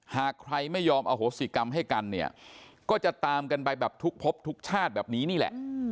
หากใครไม่ยอมอโหสิกรรมให้กันเนี่ยก็จะตามกันไปแบบทุกพบทุกชาติแบบนี้นี่แหละ